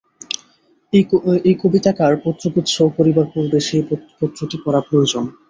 এই কবিতাকার পত্রগুচ্ছ পড়িবার পূর্বে সেই পত্রটি পড়া প্রয়োজন।